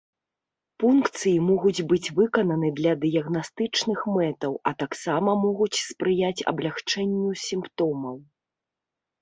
Пункцыі могуць быць выкананы для дыягнастычных мэтаў, а таксама могуць спрыяць аблягчэнню сімптомаў.